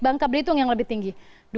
bangka belitung yang lebih tinggi